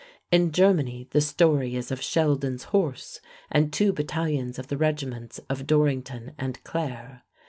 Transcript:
In Germany the story is of Sheldon's Horse and two battalions of the regiments of Dorrington and Clare.